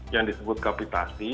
yang disebut kapitasi